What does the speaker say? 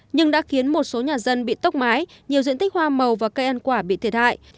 nhưng đã khiến một số nhà dân bị tốc mái nhiều diện tích hoa màu và cây ăn quả bị thiệt hại